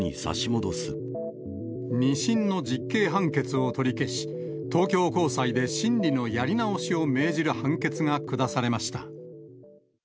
２審の実刑判決を取り消し、東京高裁で審理のやり直しを命じる判決が下されました。